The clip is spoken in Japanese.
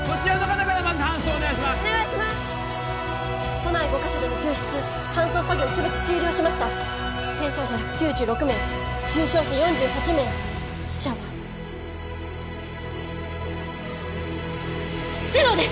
都内５カ所での救出搬送作業全て終了しました軽傷者１９６名重傷者４８名死者はゼロです！